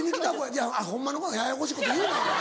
いやホンマの彼女ややこしいこと言うなお前。